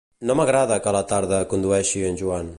No m'agrada que a la tarda condueixi en Joan